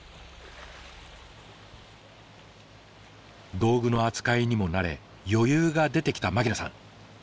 道具の扱いにも慣れ余裕が出てきた槙野さん。